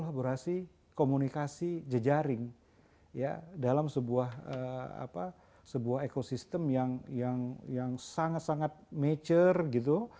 ya itu adalah komunikasi jejaring ya dalam sebuah apa sebuah ekosistem yang sangat sangat mature gitu